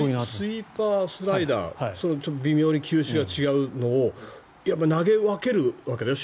スイーパー、スライダー微妙に球種が違うのを投げ分けるわけですよね